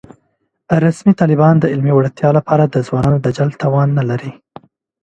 رسمي طالبان د علمي وړتیا له پاره د ځوانانو د جلب توان نه لري